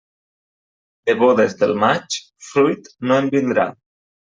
De bodes del maig, fruit no en vindrà.